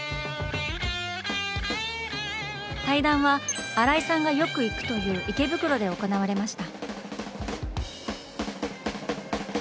対談は新井さんがよく行くという池袋で行われました。